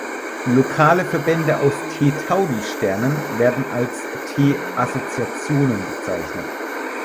Lokale Verbände aus T-Tauri-Sternen werden als "T-Assoziationen" bezeichnet.